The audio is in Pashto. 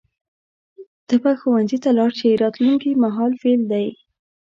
ته به ښوونځي ته لاړ شې راتلونکي مهال فعل دی.